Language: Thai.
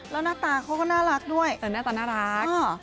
แล้วหน้าตาเขาก็น่ารักด้วยแต่หน้าตาน่ารัก